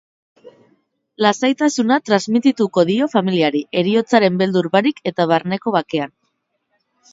Lasaitasuna transmitituko dio familiari, heriotzaren beldur barik eta barneko bakean.